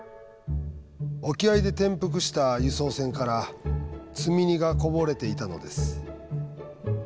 沖合で転覆した輸送船から積み荷がこぼれていたのです」。